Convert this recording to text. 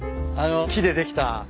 あの木でできた。